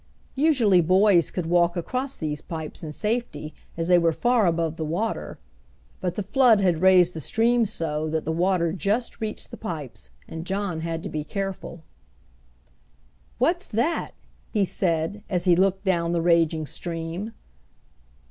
Usually boys could walk across these pipes in safety, as they were far above the water, but the flood had raised the stream so that the water just reached the pipes, and John had to be careful. "What's that?" he said, as he looked down the raging stream.